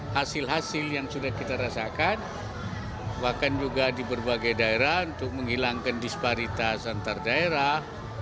hasil hasil yang sudah kita rasakan bahkan juga di berbagai daerah untuk menghilangkan disparitas antar daerah